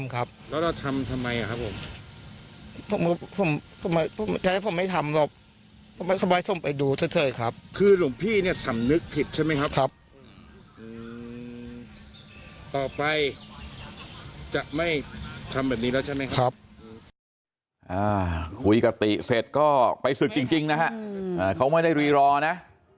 คุยกับติเสร็จก็ไปศึกจริงนะฮะเขาไม่ได้รีรอนะ